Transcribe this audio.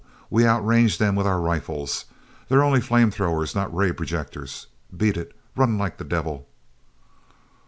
We outrange them with our rifles. They're only flame throwers, not ray projectors. Beat it! Run like the devil!"